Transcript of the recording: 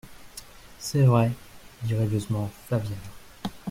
«C'est vrai …» dit rêveusement Flaviana.